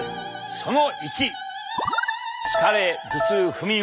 その１。